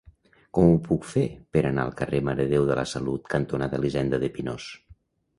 Com ho puc fer per anar al carrer Mare de Déu de la Salut cantonada Elisenda de Pinós?